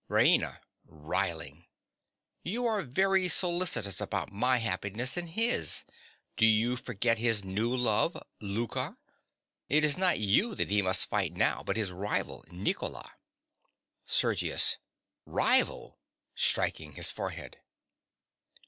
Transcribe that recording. RAINA. (riling). You are very solicitous about my happiness and his. Do you forget his new love—Louka? It is not you that he must fight now, but his rival, Nicola. SERGIUS. Rival!! (_Striking his forehead.